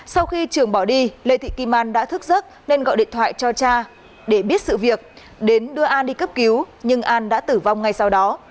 sau khi trường bỏ đi lê thị kim an đã thức giấc nên gọi điện thoại cho cha để biết sự việc đến đưa an đi cấp cứu nhưng an đã tử vong ngay sau đó